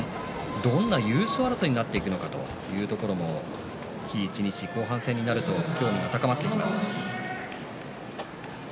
どんな優勝争いになっていくのかというところも日一日、興味が高まっていきます。